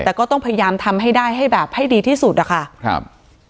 แต่ก็ต้องพยายามทำให้ได้ให้แบบให้ดีที่สุดอะค่ะครับ